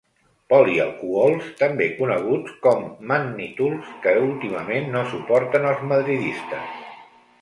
Polialcohols també coneguts com mannitols que últimament no suporten els madridistes.